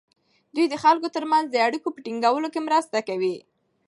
دوی د خلکو ترمنځ د اړیکو په ټینګولو کې مرسته کوي.